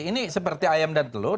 ini seperti ayam dan telur